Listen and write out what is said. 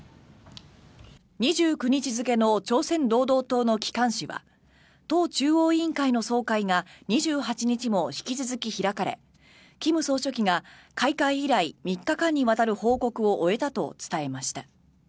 ２９日付の朝鮮労働党の機関紙は党中央委員会の総会が２８日も引き続き開かれ金総書記が開会以来３日間にわたる報告を終えたと伝えました。